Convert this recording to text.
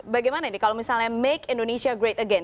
bagaimana nih kalau misalnya make indonesia great again